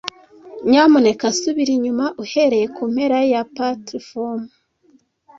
Nyamuneka subira inyuma uhereye kumpera ya platifomu.